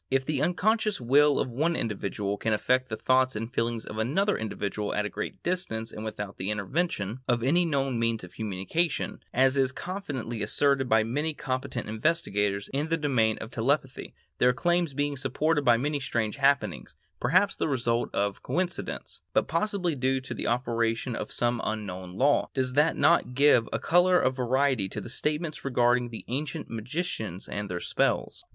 If the unconscious will of one individual can affect the thoughts and feelings of another individual at a great distance and without the intervention of any known means of communication, as is confidently asserted by many competent investigators in the domain of telepathy, their claims being supported by many strange happenings, perhaps the result of coincidence, but possibly due to the operation of some unknown law, does this not give a color of verity to the statements regarding the ancient magicians and their spells?